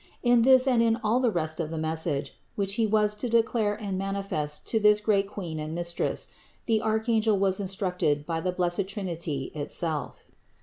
In this and in all the rest of the message, which he was to declare and manifest to this great Queen and Mistress, the archangel was in structed by the blessed Trinity itself.